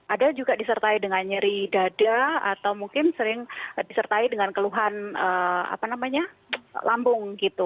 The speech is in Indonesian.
ada juga disertai dengan nyeri dada atau mungkin sering disertai dengan keluhan lambung gitu